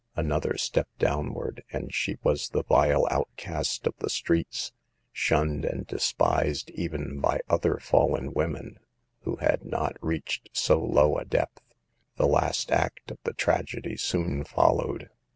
Another step downward and she was the vile outcast of the streets, shunned and despised even by other fallen women who had not reached so low a depth. The last act of the tragedy soon followed.